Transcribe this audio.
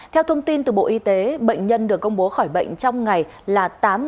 theo thông tin từ bộ y tế bệnh nhân được công bố khỏi bệnh trong ngày là tám tám trăm một mươi ba